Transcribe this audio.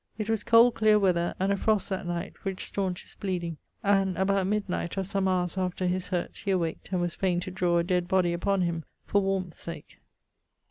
It was cold, cleer weather, and a frost that night; which staunched his bleeding, and about midnight, or some houres after his hurt, he awaked, and was faine to drawe a dead body upon him for warmeth sake.